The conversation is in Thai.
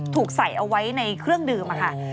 ถูกใส่เอาไว้ในเครื่องดื่มค่ะ